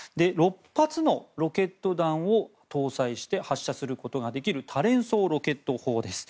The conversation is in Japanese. ６発のロケット弾を搭載して発射することができる多連装ロケット砲です。